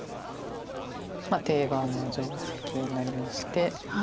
定番の定石になりまして。